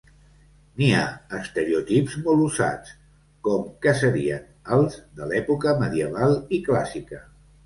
N'hi ha estereotips molt usats com que serien els de l'època medieval i clàssica.